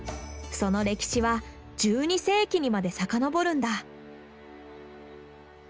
その歴史は１２世紀にまで遡るんだ。